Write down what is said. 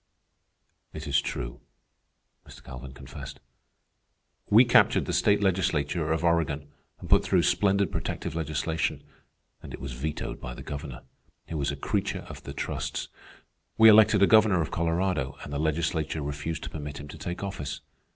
"It is true," Mr. Calvin confessed. "We captured the state legislature of Oregon and put through splendid protective legislation, and it was vetoed by the governor, who was a creature of the trusts. We elected a governor of Colorado, and the legislature refused to permit him to take office.